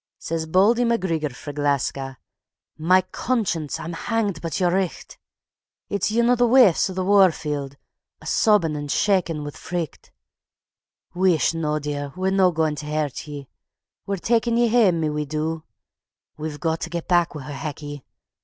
_ Says Bauldy MacGreegor frae Gleska: "Ma conscience! I'm hanged but yer richt. It's yin o' thae waifs of the war field, a' sobbin' and shakin' wi' fricht. Wheesht noo, dear, we're no gaun tae hurt ye. We're takin' ye hame, my wee doo! We've got tae get back wi' her, Hecky.